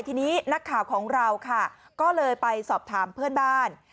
ทีนี้นักข่าวของเราค่ะก็เลยไปสอบถามเพื่อนบ้าน